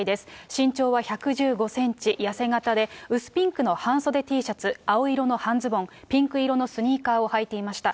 身長は１１５センチ、痩せ形で、薄ピンクの半袖Ｔシャツ、青色の半ズボン、ピンク色のスニーカーを履いていました。